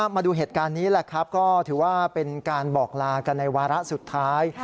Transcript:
มาดูเหตุการณ์นี้แหละครับก็ถือว่าเป็นการบอกลากันในวาระสุดท้าย